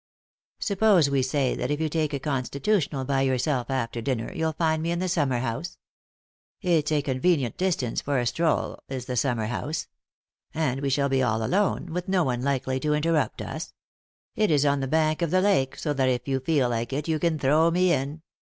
Suppose we say that if you take a constitutional by yourself after dinner you'll find me in the summer house ? It's a convenient distance for a stroll, is the summer house ; and we shall be all alone, with no one likely to interrupt us ; it is on the bank of the lake, so that if you feel like it you can throw me in.